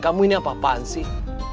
kamu ini apa apaan sih